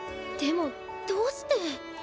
でもどうして。